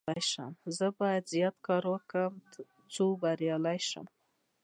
موږ باید زیات کار وکړو څو بریالي شو.